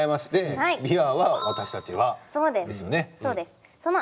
ｗｉｒは「私たちは」ですよね。